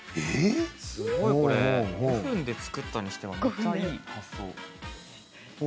５分で作ったにしてはいい発想。